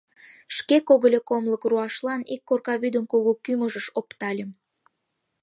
Шке когыльо комлык руашлан ик корка вӱдым кугу кӱмыжыш оптальым.